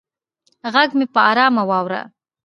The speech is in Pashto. غږ مې په ارامه واوره